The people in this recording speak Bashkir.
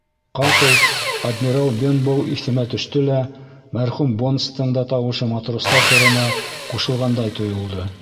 Ҡапыл «Адмирал Бенбоу» иҫемә төштө лә мәрхүм Бонстың да тауышы матростар хорына ҡушылғандай тойолдо.